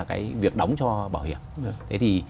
cái việc đóng cho bảo hiểm thế thì